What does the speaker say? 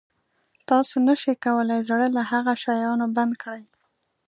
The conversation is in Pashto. تاسو نه شئ کولای زړه له هغه شیانو بند کړئ.